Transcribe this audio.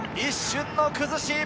一瞬の崩し！